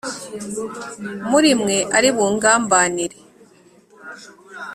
Muri mwe ari bungambanire